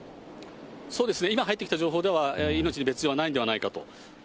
そうですね、今入ってきた情報では、命に別状はないんではないかと。